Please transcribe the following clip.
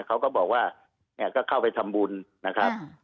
เขาก็บอกว่าเนี่ยก็เข้าไปทำบุญนะครับ